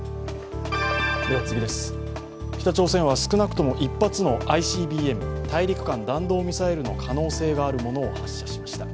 北朝鮮は少なくとも１発のＩＣＢＭ＝大陸間弾道ミサイルの可能性があるものを発射しました。